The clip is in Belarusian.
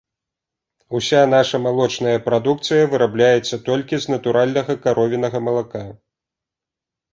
Уся наша малочная прадукцыя вырабляецца толькі з натуральнага каровінага малака.